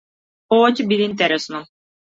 Ова ќе биде интересно.